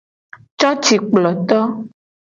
Cocikploto.